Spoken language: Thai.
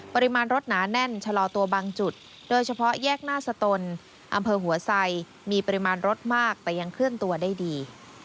ปริมาณรถหนาแน่นชะลอตัวบางจุดโดยเฉพาะแยกหน้าสตนอำเภอหัวไซมีปริมาณรถมากแต่ยังเคลื่อนตัวได้ดี